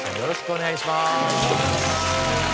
お願いしまーす！